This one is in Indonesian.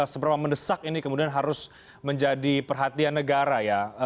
seberapa mendesak ini kemudian harus menjadi perhatian negara ya